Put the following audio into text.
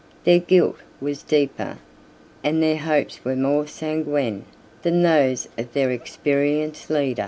Their guilt was deeper, and their hopes more sanguine, than those of their experienced leader.